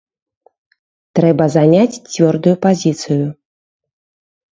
Трэба заняць цвёрдую пазіцыю.